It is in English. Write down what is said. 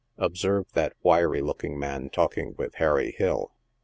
Observe that wiry looking man talking with Harry Hill.